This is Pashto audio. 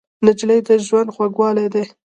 نجلۍ د ژوند خوږوالی دی.